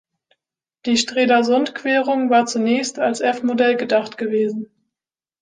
Die Strelasund-Querung war zunächst als F-Modell gedacht gewesen.